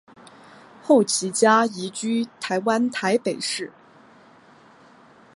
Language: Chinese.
后其家移居台湾台北市。